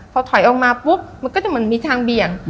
พอถอยออกมาปุ๊บมันก็จะเหมือนมีทางเบี่ยง